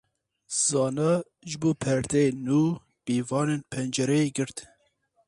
Zana ji bo perdeyên nû pîvanên pencereyê girt.